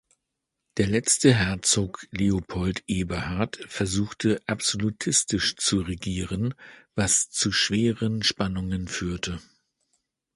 Der letzte Herzog Leopold Eberhard versuchte absolutistisch zu regieren, was zu schweren Spannungen führte.